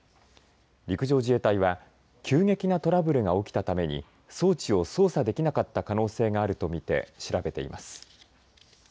陸上自衛隊は急激なトラブルが起きたために装置を操作できなかった可能性があると見て調べています。